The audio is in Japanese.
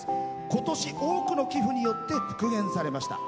今年多くの寄付によって復元されました。